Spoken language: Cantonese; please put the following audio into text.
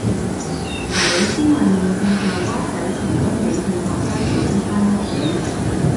何老師問現正在灣仔陳東里勸學生早啲返屋企